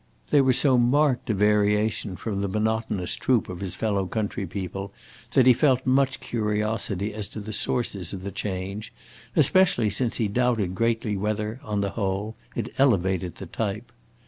They were so marked a variation from the monotonous troop of his fellow country people that he felt much curiosity as to the sources of the change, especially since he doubted greatly whether, on the whole, it elevated the type.